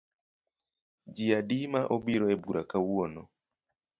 Ji adi ma obiro ebura kawuono?